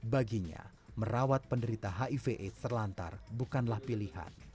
baginya merawat penderita hiv aids terlantar bukanlah pilihan